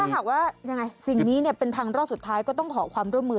หากว่ายังไงสิ่งนี้เป็นทางรอดสุดท้ายก็ต้องขอความร่วมมือ